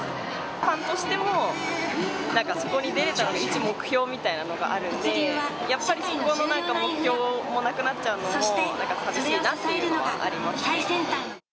ファンとしても、なんかそこに出れたら一目標みたいなのがあるんで、やっぱりそこの目標もなくなっちゃうのもなんか寂しいなっていうのはありますね。